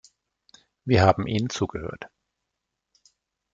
Wir haben Ihnen zugehört.